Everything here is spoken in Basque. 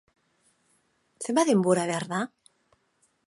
Zenbat denbora behar da?